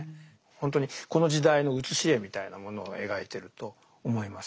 本当にこの時代の写し絵みたいなものを描いてると思います。